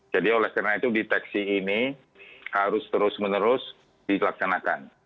jadi oleh karena itu deteksi ini harus terus menerus dilaksanakan